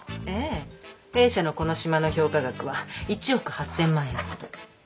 ええ弊社のこの島の評価額は１億８，０００万円ほど。